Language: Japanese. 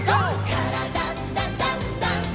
「からだダンダンダン」